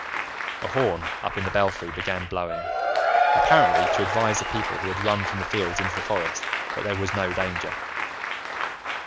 '" A horn up in the belfry began blowing, apparently to advise the people who had run from the fields into the forest that there was no danger.